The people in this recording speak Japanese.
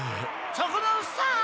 ・そこのおっさん！